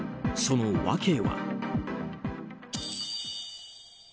その訳は。